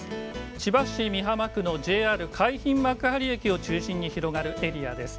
千葉市美浜区のＪＲ海浜幕張駅を中心に広がるエリアです。